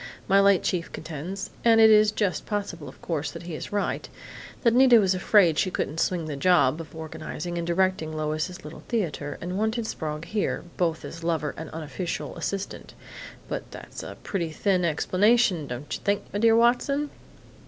My late chief contends and it is just possible, of course, that he is right that Nita was afraid she couldn't swing the job of organizing and directing Lois' Little Theater, and wanted Sprague here, both as lover and unofficial assistant. But that's a pretty thin explanation, don't you think, 'my dear Watson'?...